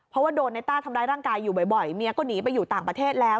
เพราะว่าโดนในต้าทำร้ายร่างกายอยู่บ่อยเมียก็หนีไปอยู่ต่างประเทศแล้ว